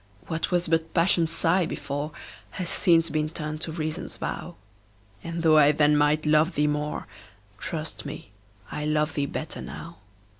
What was but Passion's sigh before, Has since been turned to Reason's vow; And, though I then might love thee more, Trust me, I love thee better now.